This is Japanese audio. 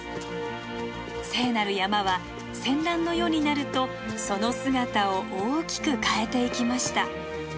聖なる山は戦乱の世になるとその姿を大きく変えていきました。